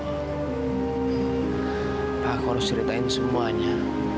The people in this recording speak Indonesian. aku harus ceritain semuanya